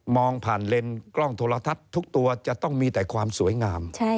ผ่านเลนส์กล้องโทรทัศน์ทุกตัวจะต้องมีแต่ความสวยงาม